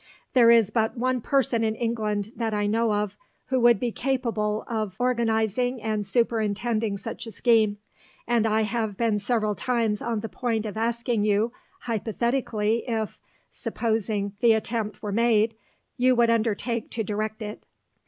There is but one person in England that I know of who would be capable of organizing and superintending such a scheme; and I have been several times on the point of asking you hypothetically if, supposing the attempt were made, you would undertake to direct it.